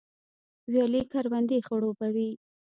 ویالې کروندې خړوبوي